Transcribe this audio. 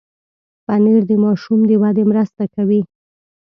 پنېر د ماشوم د ودې مرسته کوي.